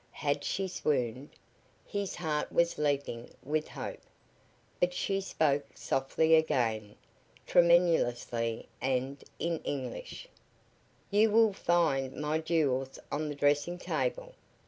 Had she swooned? His heart was leaping with hope. But she spoke softly again, tremulously, and in English: "You will find my jewels on the dressing table.